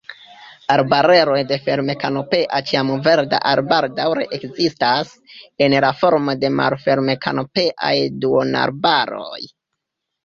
Arbareroj de ferm-kanopea ĉiamverda arbaro daŭre ekzistas, en la formo de malferm-kanopeaj duonarbaroj.